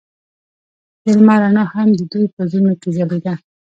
د لمر رڼا هم د دوی په زړونو کې ځلېده.